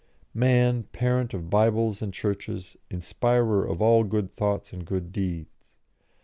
Man, parent of Bibles and Churches, inspirer of all good thoughts and good deeds.